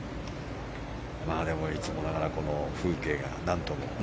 でも、いつもながらこの風景が、何とも。